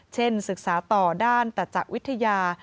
ศึกษาต่อด้านตัจจะวิทยา